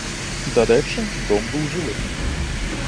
Дарэчы, дом быў жылы.